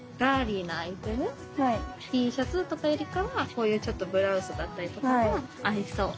Ｔシャツとかよりかはこういうちょっとブラウスだったりとかは合いそう。